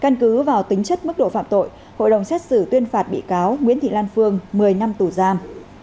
căn cứ vào tính chất mức độ phạm tội hội đồng xét xử tuyên phạt bị cáo nguyễn thị lan phương một mươi năm tù giam